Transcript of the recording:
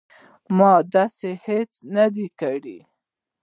ما داسې هیڅ نه دي کړي